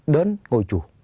đến ngôi chùa